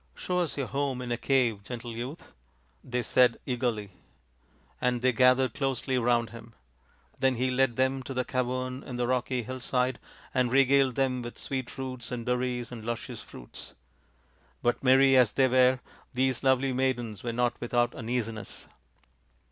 " Show us your home in a cave, gentle youth," they said eagerly ; and they gathered closely round him. Then he led them to the cavern in the rocky hillside and regaled them with sweet roots and berries and luscious fruits. But merry as they were, these lovely maidens were not without uneasiness.